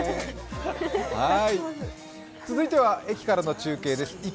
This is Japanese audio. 続いては駅からの中継です。